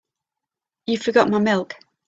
You've forgotten my milk.